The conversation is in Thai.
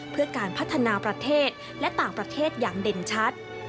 เพื่อการพัฒนาประเทศและต่างประเทศอย่างเด่นชัด